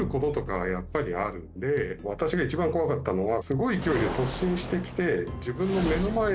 私が一番怖かったのは。